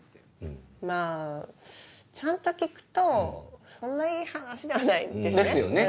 まぁちゃんと聞くとそんないい話ではないですね。ですよね？